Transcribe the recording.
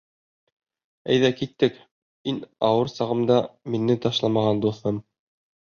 Әйҙә киттек, иң ауыр сағымда мине ташламаған дуҫым!